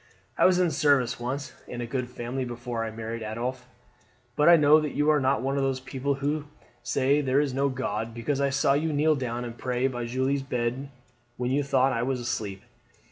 "I was in service once in a good family before I married Adolphe. But I know that you are not one of those people who say there is no God, because I saw you kneel down and pray by Julie's bed when you thought I was asleep.